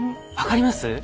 分かります？